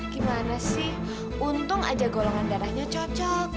gimana sih untung aja golongan darahnya cocok